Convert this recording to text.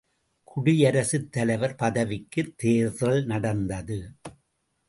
குடியரசுத் தலைவர் பதவிக்குத் தேர்தல் நடந்தது!